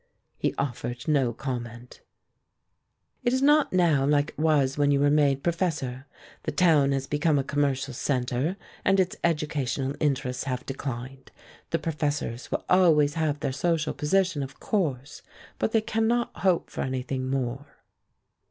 He offered no comment. "It is not now like it was when you were made professor. The town has become a commercial centre and its educational interests have declined. The professors will always have their social position, of course, but they cannot hope for anything more."